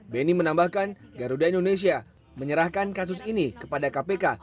beni menambahkan garuda indonesia menyerahkan kasus ini kepada kpk